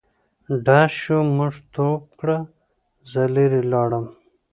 ډز شو موږ ټوپ کړ زه لیري لاړم.